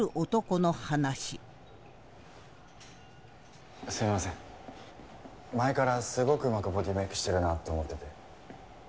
前からすごくうまくボディメイクしてるなと思ってて。